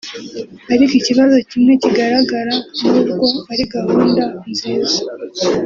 Ariki ikibazo kimwe kigaragara n’ubwo ari gahunda nziza